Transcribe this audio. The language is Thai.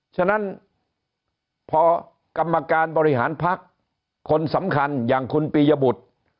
ฉะนั้นพอกรรมการบริหารพักคนสำคัญอย่างคุณปียบุตร